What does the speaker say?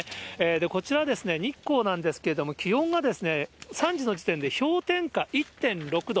こちら、日光なんですけれども、気温が３時の時点で氷点下１．６度。